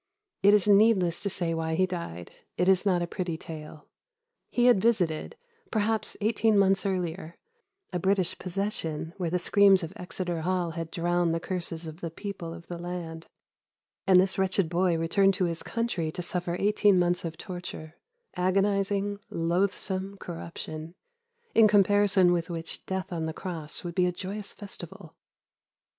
It is needless to say why he died, it is not a pretty tale. He had visited, perhaps eighteen months earlier, a British possession where the screams of Exeter Hall had drowned the curses of the people of the land, and this wretched boy returned to his country to suffer eighteen months of torture, agonising, loathsome corruption, in comparison with which death on the cross would be a joyous festival.